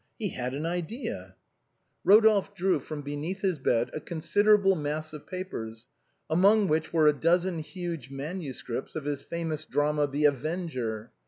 He had an idea ! Rodolphe drew from beneath his bed a considerable mass of papers, among which were a dozen huge manuscripts of his famous drama, " The Avenger."